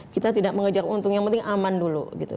kita tidak mengejar untung yang penting aman dulu gitu